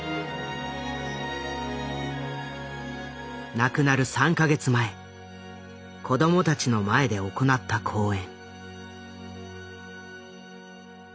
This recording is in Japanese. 亡くなる３か月前子どもたちの前で行った講演。